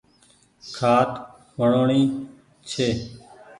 کآٽ وڻوڻي ڇي۔